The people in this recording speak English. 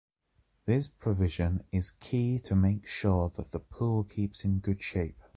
This prevision is key to make sure that the pool keeps in good shape.